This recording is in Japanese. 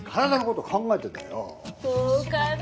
どうかな？